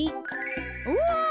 うわ！